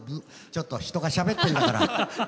ちょっと、人がしゃべってるんだから。